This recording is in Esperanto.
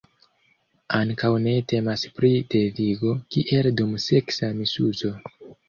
Ankaŭ ne temas pri devigo, kiel dum seksa misuzo.